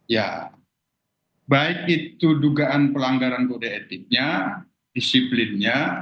ya baik itu dugaan pelanggaran kode etiknya disiplinnya